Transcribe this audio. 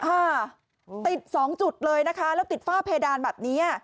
ค่ะติดสองจุดเลยนะคะแล้วติดฝ้าเพดานแบบนี้